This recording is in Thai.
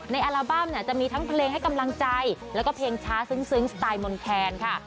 อัลบั้มเนี่ยจะมีทั้งเพลงให้กำลังใจแล้วก็เพลงช้าซึ้งสไตล์มนแคนค่ะ